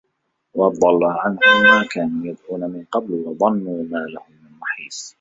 وَضَلَّ عَنهُم ما كانوا يَدعونَ مِن قَبلُ وَظَنّوا ما لَهُم مِن مَحيصٍ